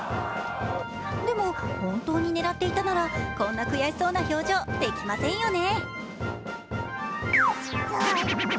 でも、本当に狙っていたならこんな悔しそうな表情、できませんよね。